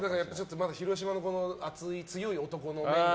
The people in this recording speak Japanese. まだ広島の熱い強い男の。